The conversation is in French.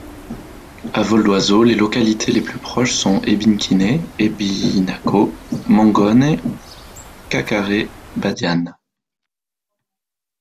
À vol d'oiseau, les localités les plus proches sont Ebinkine, Ebinako, Mongone, Kakaré, Badiane.